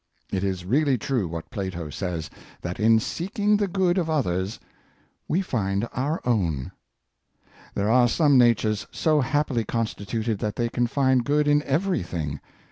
It is really true what Plato says, that in seeking the good of others we find our own. There are some natures so happily constituted that they can find good in every thing.